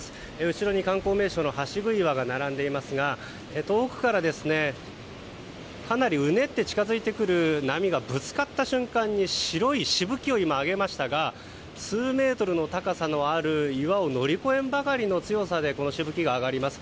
後ろに観光名所の橋杭岩が並んでいますが遠くからかなりうねって近づいてくる波がぶつかった瞬間に白いしぶきを上げましたが数メートルの高さのある岩を乗り越えんばかりの強さでこのしぶきが上がります。